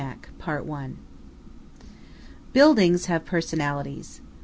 VII KARNAK Buildings have personalities.